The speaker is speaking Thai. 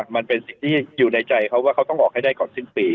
มันเป็นสิ่งที่อยู่ในใจเขาว่าเขาต้องออกให้ได้ก่อนสิ้นปี